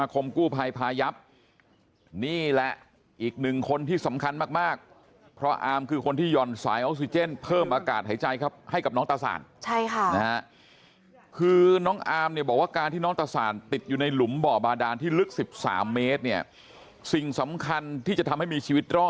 กูภัยอีกคนนึงที่คุณแซคนัทวินไปคุยด้วยนะครับ